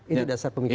itu dasar pemikiran